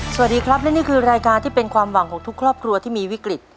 สวัสดีครับและนี่คือรายการที่เป็นความหวังของทุกครอบครัวที่มีวิกฤต